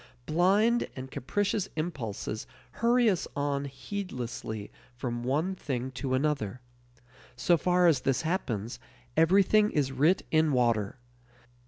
Blind and capricious impulses hurry us on heedlessly from one thing to another. So far as this happens, everything is writ in water.